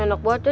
enak banget ya